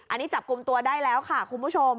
อันนี้จับกลุ่มตัวได้แล้วค่ะคุณผู้ชม